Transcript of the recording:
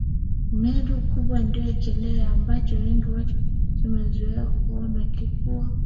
Meru kubwa ndio kilele ambacho wengi wetu tumezoea kukiona tukiwa